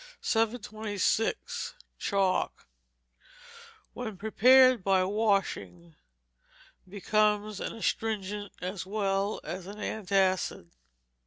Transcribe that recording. ] 726. Chalk Chalk, when prepared by washing, becomes an astringent as well as antacid.